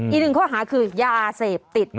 อีกหนึ่งข้อหาคือยาเสพติด